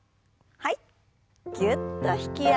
はい。